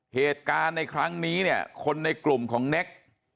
เหตุการณ์ในครั้งนี้เนี่ยคนในกลุ่มของเน็ก